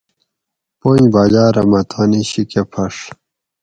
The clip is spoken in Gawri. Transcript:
پنج باٞجاٞ رہ مٞہ تانی شی کٞہ پھڄ